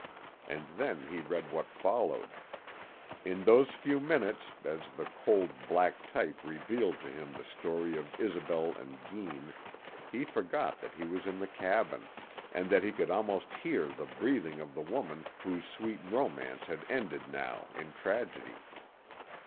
And then he read what followed. In those few minutes, as the cold, black type revealed to him the story of Isobel and Deane, he forgot that he was in the cabin, and that he could almost hear the breathing of the woman whose sweet romance had ended now in tragedy.